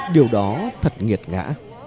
điều đó thật nghiệt ngã